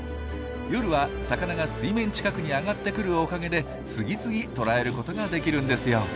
夜は魚が水面近くに上がってくるおかげで次々捕らえることができるんですよ。